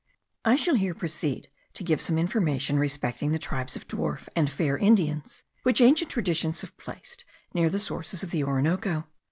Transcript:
I shall here proceed to give some information respecting the tribes of dwarf and fair Indians, which ancient traditions have placed near the sources of the Orinoco.